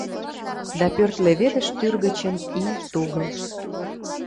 Да пӧрт леведыш тӱр гычын ий тугылт